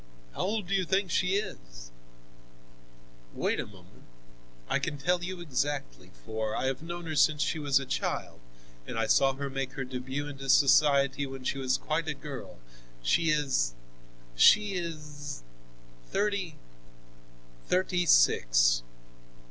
"How old do you think she is?" "Wait a moment. I can tell you exactly, for I have known her since she was a child and I saw her make her debut into society when she was quite a girl. She is—she is—thirty—thirty six."